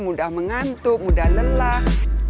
mudah mengantuk mudah lelah